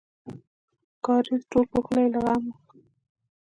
کاریز ټول پوښلی لغم و.